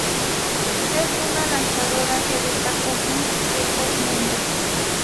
Es una lanzadora que destacó muy precozmente.